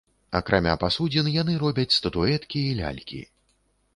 Акрамя пасудзін яны робяць статуэткі і лялькі.